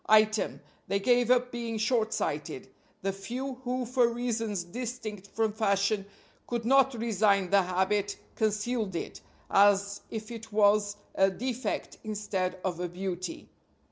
Item: they gave up being shortsighted; the few who for reasons distinct from fashion could not resign the habit concealed it, as if it was a defect instead of a beauty.